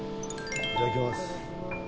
いただきます。